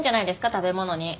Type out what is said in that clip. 食べ物に。